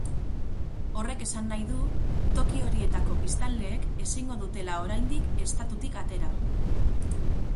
Horrek esan nahi du toki horietako biztanleek ezingo dutela oraindik estatutik atera.